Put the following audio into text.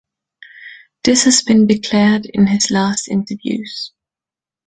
This has been declared in his last interviews.